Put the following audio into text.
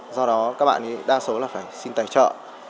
do đó các bạn đa số là phải xin tài trợ